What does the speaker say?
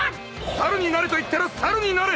猿になれと言ったら猿になれ！